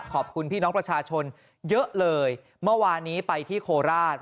ขอบคุณพี่น้องประชาชนเยอะเลยเมื่อวานี้ไปที่โคราช